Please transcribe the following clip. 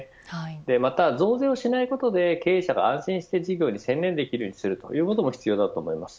また増税をしないことで経営者が安心して事業に専念できる事も必要だと思います。